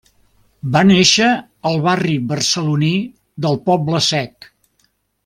Va néixer al barri barceloní del Poble-sec.